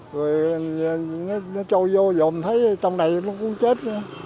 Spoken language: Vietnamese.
rồi nó trôi vô vô mình thấy trong này nó cũng chết